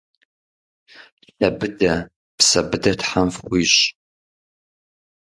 Лъэ быдэ, псэ быдэ Тхьэм фхуищӏ!